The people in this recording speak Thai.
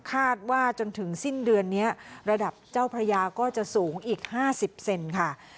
คาดว่าจนถึงสิ้นเดือนนี้ระดับเจ้าพระยาก็จะสูงอีก๕๐เซนค่ะ